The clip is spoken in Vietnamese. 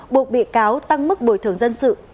buộc bị cáo tăng mức bồi thường dân sự